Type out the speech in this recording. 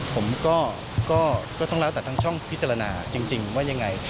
ผมก็ต้องแล้วแต่ทางช่องพิจารณาจริงว่ายังไง